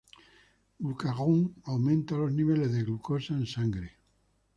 Glucagón: Aumenta los niveles de glucosa en sangre.